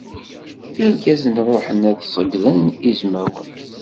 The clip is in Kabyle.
Irgazen ruḥen ad d-ṣeyyden izmawen.